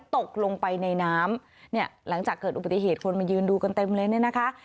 ตกลงไปในน้ำเนี่ยหลังจากเกิดอุบัติเหตุคนมายืนดูกันเต็มเลยเนี่ยนะคะ